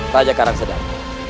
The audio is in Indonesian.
raja karang sedang